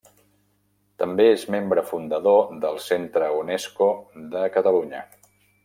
També és membre fundador del Centre Unesco de Catalunya.